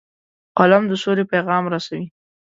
قلم د سولې پیغام رسوي